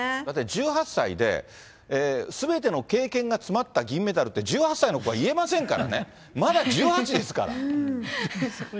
だって１８歳で、すべての経験が詰まった銀メダルって、１８歳の子が言えませんからね、まだ１８ですから。